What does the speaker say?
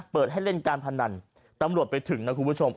เปิดให้เล่นการพนันตำรวจไปถึงนะคุณผู้ชม